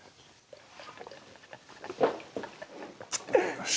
よし。